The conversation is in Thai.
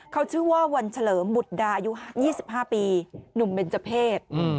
เขาชื่อว่าวันเฉลอหมุดดายุ๒๕ปีหนุ่มเบรจเพศ